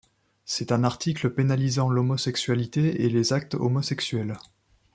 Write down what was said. C'est un article pénalisant l'homosexualité et les actes homosexuels.